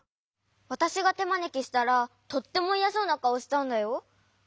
わたしがてまねきしたらとってもいやそうなかおしたんだよ。